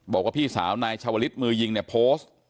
บอกว่าพี่สาวนายชาวลิศมือยิงเนี่ยโพสต์